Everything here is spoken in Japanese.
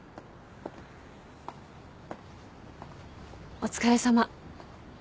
お疲れさま。